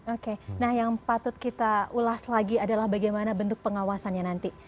oke nah yang patut kita ulas lagi adalah bagaimana bentuk pengawasannya nanti